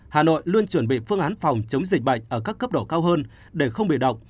hà nội luôn chuẩn bị phương án phòng chống dịch bệnh ở các cấp độ cao hơn để không bị động